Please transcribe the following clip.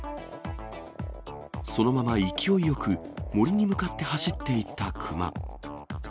そのまま勢いよく、森に向かって走っていった熊。